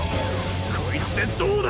こいつでどうだ！